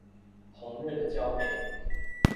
紅熱的焦煤